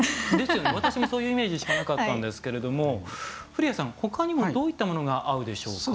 私もそういうイメージしかなかったんですけど降矢さん、ほかにもどういったものが合うでしょうか。